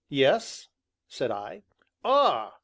"Yes?" said I. "Ah!"